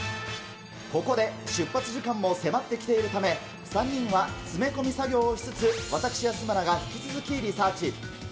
ここで、出発時間も迫ってきているため、３人が詰め込み作業をしつつ、私、安村が引き続きリサーチ。